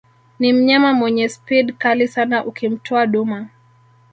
Ni mnyama mwenye speed kali sana ukimtoa duma